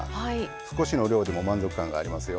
少しの量でも満足感がありますよ。